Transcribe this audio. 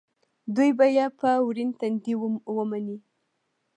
دوی به یې په ورین تندي ومني.